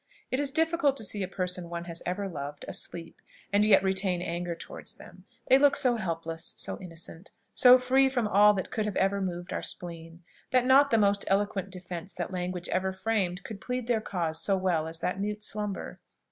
It is difficult to see a person one has ever loved, asleep, and yet retain anger towards them; they look so helpless, so innocent, so free from all that could have ever moved our spleen, that not the most eloquent defence that language ever framed could plead their cause so well as that mute slumber.